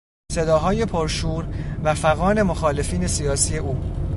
صداهای پرشور و فغان مخالفین سیاسی او